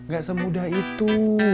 gak semudah itu